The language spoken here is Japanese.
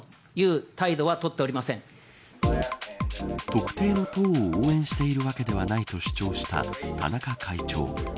特定の党を応援しているわけではないと主張した田中会長。